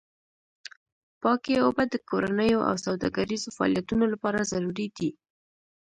پاکې اوبه د کورنیو او سوداګریزو فعالیتونو لپاره ضروري دي.